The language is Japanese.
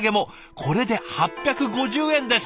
これで８５０円ですって。